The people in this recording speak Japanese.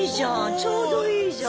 ちょうどいいじゃん！